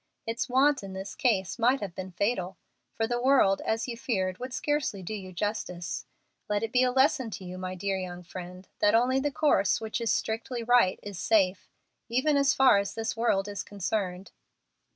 Its want in this case might have been fatal, for the world, as you feared, would scarcely do you justice. Let it be a lesson to you, my dear young friend, that only the course which is strictly right is safe, even as far as this world is concerned."